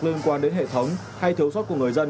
liên quan đến hệ thống hay thiếu sót của người dân